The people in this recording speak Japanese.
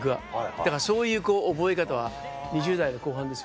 だからそういう覚え方は２０代の後半ですよね。